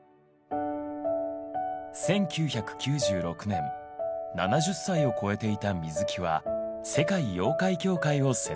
１９９６年７０歳を越えていた水木は世界妖怪協会を設立。